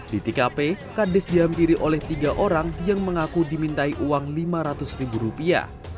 di tkp kades dihampiri oleh tiga orang yang mengaku dimintai uang lima ratus ribu rupiah